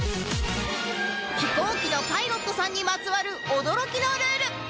飛行機のパイロットさんにまつわる驚きのルール